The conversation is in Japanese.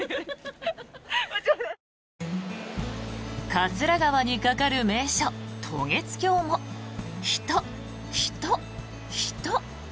桂川に架かる名所、渡月橋も人、人、人。